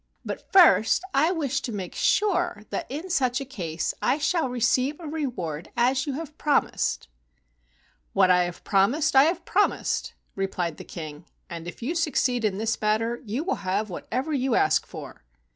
But first I wish to make sure that in such a case I shall receive a reward as you have promised." "What I have promised I have promised," replied the King, " and if you succeed in this matter you shall have whatever you ask for."